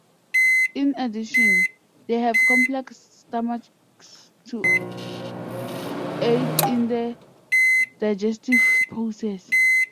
In addition, they have complex stomachs to aid in the digestive process.